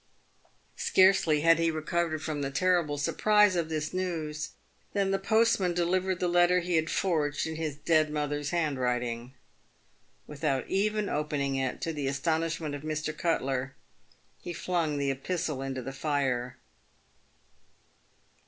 Scarcely had he recovered from the terrible surprise of this news than the postman delivered the letter he had forged in his dead mother's handwriting. Without even opening it, to the astonish ment of Mr. Cutler, he flung the epistle into the fire.